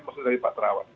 maksudnya dari pak terawan